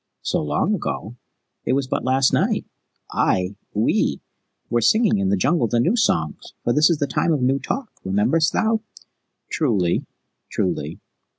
"So long ago? It was but last night. I we were singing in the Jungle the new songs, for this is the Time of New Talk. Rememberest thou?" "Truly, truly."